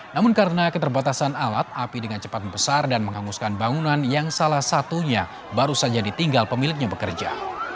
namun karena keterbatasan alat api dengan cepat membesar dan menghanguskan bangunan yang salah satunya baru saja ditinggal pemiliknya bekerja